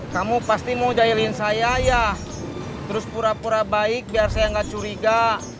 kamu pasti mau jailin saya ya terus pura pura baik biar saya gak curiga